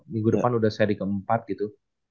minggu depan udah seri keempat gitu